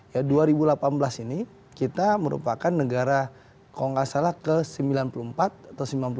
dua ribu delapan belas ini kita merupakan negara kalau tidak salah ke sembilan puluh empat atau sembilan puluh delapan